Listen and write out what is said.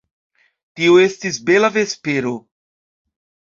Tio estis bela vespero.